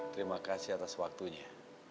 terima kasih atas waktunya